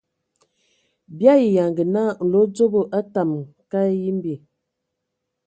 Bii ayi yanga naa nlodzobo a tamǝ ka yimbi.